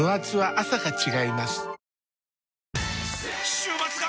週末が！！